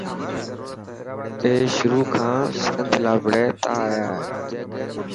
اي شروع کان سنڌ لاءِ وڙهتا آيا هي.